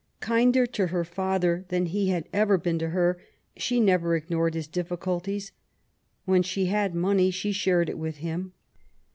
Kinder to her father than he had ever been to her, she never ignored his difficulties. When she had money^ she shared it with him.